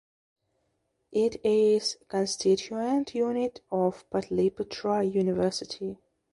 It is constituent unit of Patliputra University.